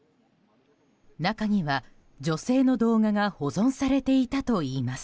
中には女性の動画が保存されていたといいます。